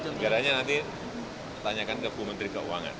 anggarannya nanti tanyakan ke bu menteri keuangan